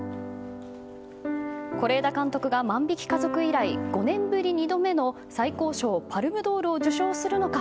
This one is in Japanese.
是枝監督が「万引き家族」以来５年ぶり、２度目の最高賞パルム・ドールを受賞するのか。